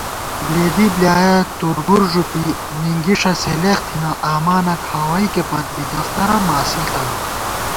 بلېدی بلیایَہ تُور بوُر ݫُوپی نِنگِݭہ سِلېخ تھنہ * آمانہ کھاوئیکے پت بی دفتَرہ ماسِل تھنہ